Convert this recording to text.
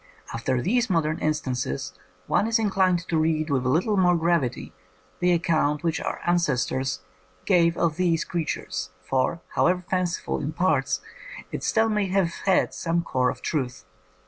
After these modern instances one is in clined to read with a little more gravity the accoiuit which our ancestors gave of these creatures ; for, however fanciful in parts, it still may have had some core of truth.